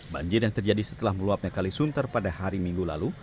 banjir yang terjadi setelah meluapnya kalisunter pada hari minggu lalu